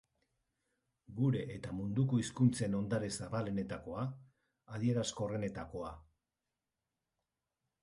Gure eta munduko hizkuntzen hondare zabalenetakoa, adierazkorrenetakoa.